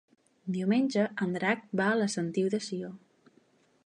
Diumenge en Drac va a la Sentiu de Sió.